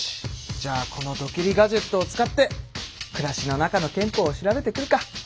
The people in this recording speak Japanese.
じゃあこのドキリ・ガジェットを使って暮らしの中の憲法を調べてくるか。